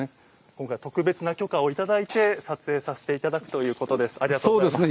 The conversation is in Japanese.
今回特別な許可をいただいて撮影させていただくということです。